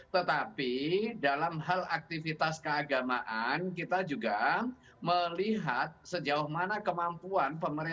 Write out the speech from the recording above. tetapi dalam hal aktivitas keagamaan kita juga melihat sejauh mana kemampuan pemerintah